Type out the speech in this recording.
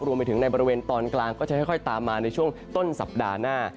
รวมไปถึงในบริเวณตอนกลางก็จะค่อยตามมาในช่วงต้นสัปดาห์หน้า